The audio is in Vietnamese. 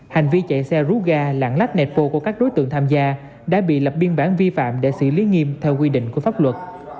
hành vi chạy xe rút ga lãng lách nệt vô của các đối tượng tham gia đã bị lập biên bản vi phạm để xử lý nghiêm theo quy định của pháp luật